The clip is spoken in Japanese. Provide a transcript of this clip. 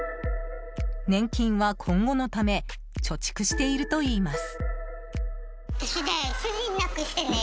年金は、今後のため貯蓄しているといいます。